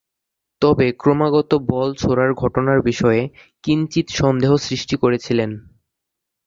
তবে ক্রমাগত বল ছোঁড়ার ঘটনার বিষয়ে কিঞ্চিৎ সন্দেহ সৃষ্টি করেছিলেন।